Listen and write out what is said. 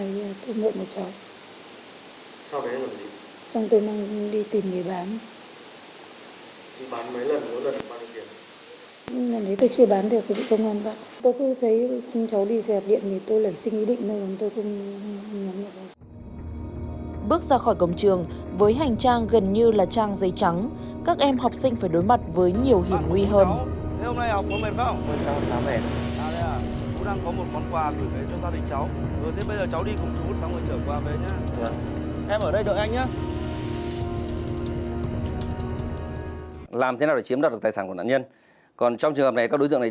với hành trang gần như là trang giấy trắng các em học sinh phải đối mặt với nhiều hiểm nguy hơn